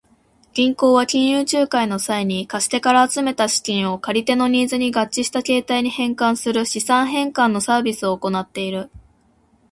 銀行は金融仲介の際に、貸し手から集めた資金を借り手のニーズに合致した形態に変換する資産変換のサービスを行っている。